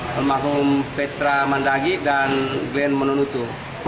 pemaham petra mandagi dan glenn menonuto